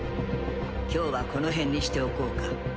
今日はこのへんにしておこうか。